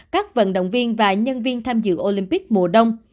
các vận động viên và nhân viên tham dự olympic mùa đông